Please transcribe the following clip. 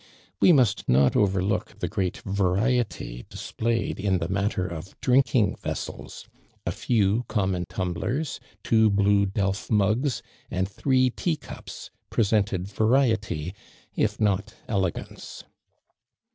Wo must not overlook the great variety displayed in the matter of drinlcing vessels. A few common tumblers, two bluo delf mugs and throe tea cups, presented variety if not elegance.